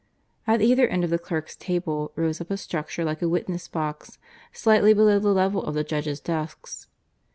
At either end of the clerks' table rose up a structure like a witness box, slightly below the level of the judges' desks.